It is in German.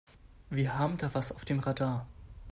Wir haben da was auf dem Radar.